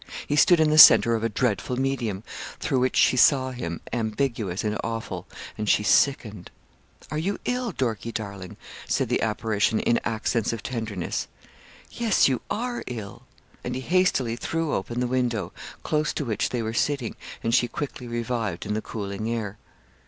He stood in the centre of a dreadful medium, through which she saw him, ambiguous and awful; and she sickened. 'Are you ill, Dorkie, darling?' said the apparition in accents of tenderness. 'Yes, you are ill.' And he hastily threw open the window, close to which they were sitting, and she quickly revived in the cooling air.